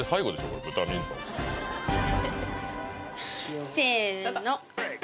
これブタミントンせのスタート！